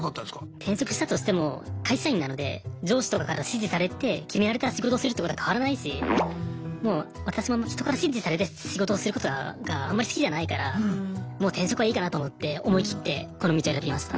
転職したとしても会社員なので上司とかから指示されて決められた仕事をするってことは変わらないし私も人から指示されて仕事をすることがあんまり好きじゃないからもう転職はいいかなと思って思い切ってこの道を選びました。